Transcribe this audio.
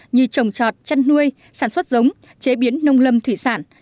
như trồng trọt chăn nuôi sản xuất giống chế biến nông lâm thủy sản